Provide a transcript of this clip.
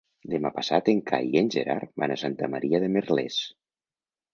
Demà passat en Cai i en Gerard van a Santa Maria de Merlès.